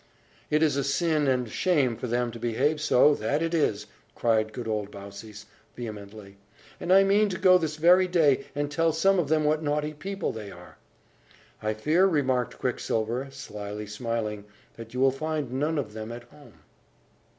"It is a sin and shame for them to behave so that it is!" cried good old Baucis, vehemently. "And I mean to go this very day, and tell some of them what naughty people they are!" "I fear," remarked Quicksilver, slyly smiling, "that you will find none of them at home."